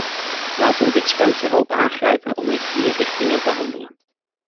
Laten we dit sprankje hoop aangrijpen om in vier richtingen te handelen.